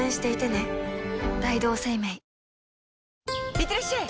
いってらっしゃい！